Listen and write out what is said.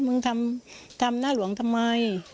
มึงทำหน้าหลวงทำไม